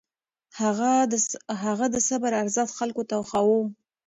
هغه د صبر ارزښت خلکو ته ښووه.